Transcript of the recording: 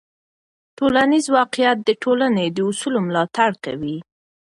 ټولنیز واقیعت د ټولنې د اصولو ملاتړ کوي.